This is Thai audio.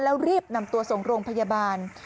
แล้วรีบนำตัวส่งโรงพยาบาล